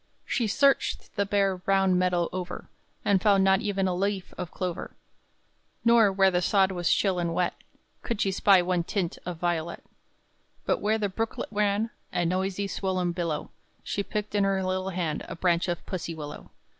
She searched the bare brown meadow over, And found not even a leaf of clover; Nor where the sod was chill and wet Could she spy one tint of violet; But where the brooklet ran A noisy swollen billow, She picked in her little hand A branch of pussie willow.